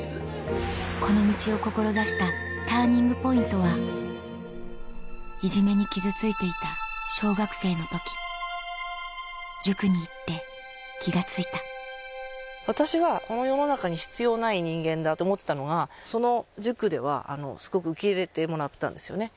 この道を志したＴＵＲＮＩＮＧＰＯＩＮＴはいじめに傷ついていた小学生の時塾に行って気が付いた私はこの世の中に必要ない人間だと思ってたのがその塾では受け入れてもらったんですよね。